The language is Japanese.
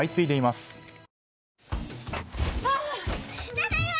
ただいま！